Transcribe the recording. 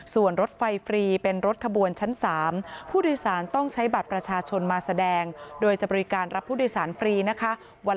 ส่วนรถไฟฟรีเป็นรถขบวนชั้น๓ผู้โดยสารต้องใช้บัตรประชาชนมาแสดงโดยจะบริการรับผู้โดยสารฟรีนะคะ